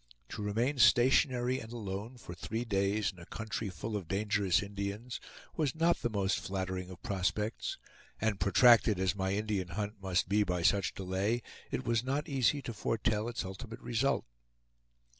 To remain stationary and alone for three days, in a country full of dangerous Indians, was not the most flattering of prospects; and protracted as my Indian hunt must be by such delay, it was not easy to foretell its ultimate result.